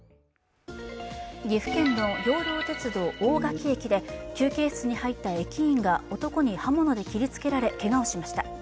岐阜県の養老鉄道・大垣駅で休憩室に入った駅員が男に刃物で切りつけられ、けがをしました。